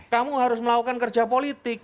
kamu harus melakukan kerja politik